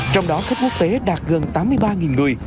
trong đó khách quốc tế đạt gần tám mươi ba người